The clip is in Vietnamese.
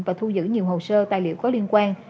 và thu giữ nhiều hồ sơ tài liệu có liên quan